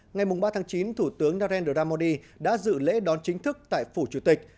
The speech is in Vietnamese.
ngày ba tháng chín thủ tướng narendra modi đã dự lễ đón chính thức tại phủ chủ tịch